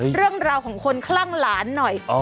เรื่องราวของคนคลั่งหลานหน่อย